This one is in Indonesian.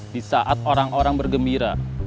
di saat orang orang bergembira